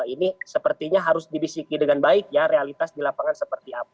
ini sepertinya harus dibisiki dengan baik ya realitas di lapangan seperti apa